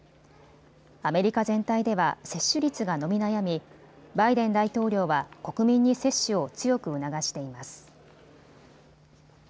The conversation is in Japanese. アメリカ全体では接種率が伸び悩みバイデン大統領は国民に接種を強く促しています。